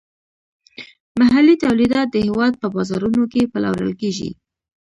محلي تولیدات د هیواد په بازارونو کې پلورل کیږي.